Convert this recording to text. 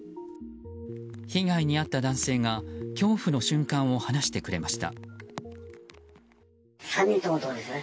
被害に遭った男性が恐怖の瞬間を話してくれました。